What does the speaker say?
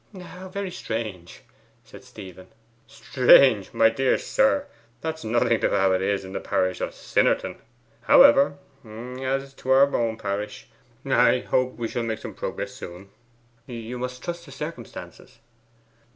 'How very strange!' said Stephen. 'Strange? My dear sir, that's nothing to how it is in the parish of Sinnerton. However, as to our own parish, I hope we shall make some progress soon.' 'You must trust to circumstances.